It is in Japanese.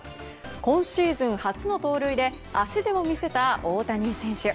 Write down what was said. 今シーズン初の盗塁で足でも見せた大谷選手。